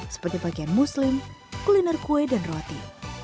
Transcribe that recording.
seperti bagian muslim kuliner kue dan roti